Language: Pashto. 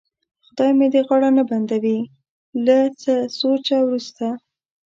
خدای مې دې غاړه نه بندوي، له څه سوچه وروسته.